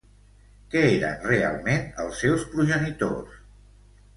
Què eren realment els seus progenitors?